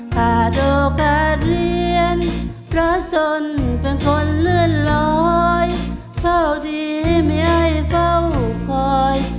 ขาดโดขาดเรียนเพราะจนเป็นคนเลื่อนร้อยโชคดีให้เมียให้เฝ้าคอย